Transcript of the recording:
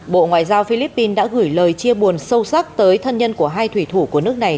bộ ngoại giao philippines đã gửi lời chia buồn sâu sắc tới thân nhân của hai thủy thủ của nước này